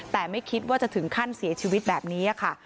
แต่ไม่คิดว่าจะถึงขั้นเสียชีวิตแบบนี้ค่ะ